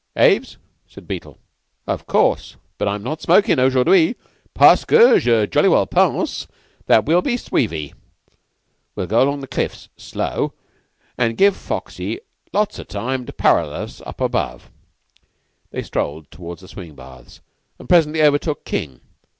"Aves?" said Beetle. "Of course, but I'm not smokin' aujourd'hui. Parceque je jolly well pense that we'll be suivi. We'll go along the cliffs, slow, an' give Foxy lots of time to parallel us up above." They strolled towards the swimming baths, and presently overtook King.